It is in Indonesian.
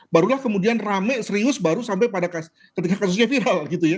barulah kemudian rame serius baru sampai ketika kasusnya viral